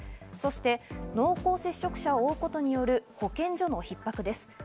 そして濃厚接触者を追うことによる保健所の逼迫です。